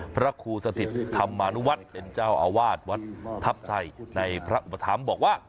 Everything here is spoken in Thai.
พระครูสถิตธรรมานุวัฒน์เป็นเจ้าอาวาสวัดทัพชัยในพระอุปถัมภ์บอกว่า